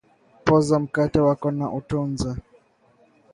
poza mkate wako na utunze